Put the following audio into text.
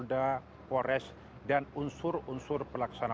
dan persial di susun ter depressa tersisa adalah